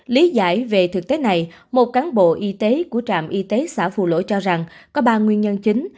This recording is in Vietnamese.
lý giải về thực tế này một cán bộ y tế của trạm y tế xã phù lỗi cho rằng có ba nguyên nhân chính